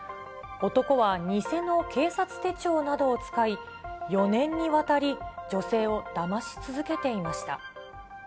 男は偽の警察手帳などを使い、４年にわたり、女性をだまし続けていました。